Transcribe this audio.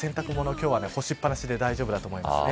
今日は干しっぱなしで大丈夫だと思います